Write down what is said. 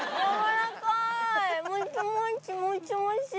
おいしい！